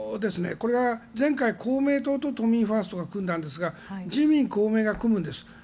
これは前回、公明党と都民ファーストが組んだんですが自民・公明が組むんです。